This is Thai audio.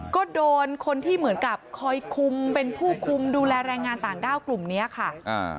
ก็โดนคนที่เหมือนกับคอยคุมเป็นผู้คุมดูแลแรงงานต่างด้าวกลุ่มเนี้ยค่ะอ่า